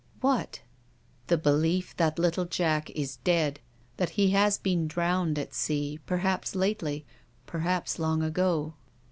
"What?" " The belief that little Jack is dead ; that he has been drowned at sea, perhaps lately, perhaps long ago."